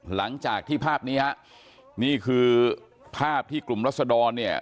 หลังจากที่ภาพนี้ฮะนี่คือภาพที่กลุ่มรัศดรเนี่ย